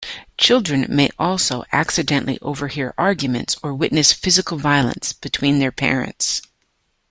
Children may also accidentally overhear arguments or witness physical violence between their parents.